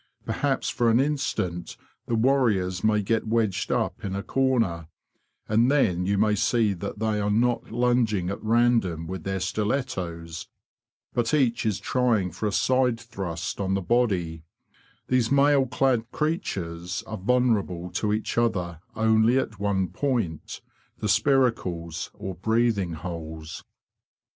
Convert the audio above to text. Perhaps for an instant the warriors may get wedged up in a corner, and then you may see that they are not lunging at random with their stilettos, but each is trying for a side thrust on the body; these mail clad creatures are vulnerable to each other only at one point—the spiracles, or breathing holes.